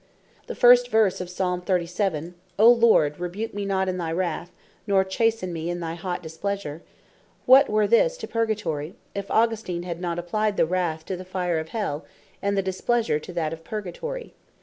The first verse of Psalme, 37. "O Lord rebuke me not in thy wrath, nor chasten me in thy hot displeasure:" What were this to Purgatory, if Augustine had not applied the Wrath to the fire of Hell, and the Displeasure, to that of Purgatory?